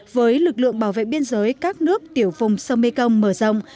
với lực lượng bảo vệ biên giới các nước tiểu vùng sông mekong mở rộng